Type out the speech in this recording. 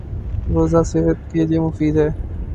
روزہ صحت کے لیے مفید ہے